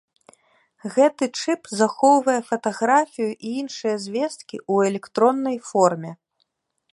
Гэты чып захоўвае фатаграфію і іншыя звесткі ў электроннай форме.